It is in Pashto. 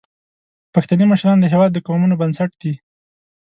پښتني مشران د هیواد د قومونو بنسټ دي.